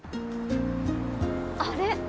あれ？